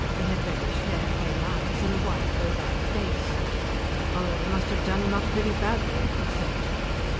He had reddish hair, pale eyes and a wide, bovine face. "Holloway must have done him up pretty badly," he said.